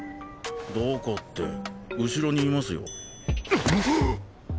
どこって後ろにいますよ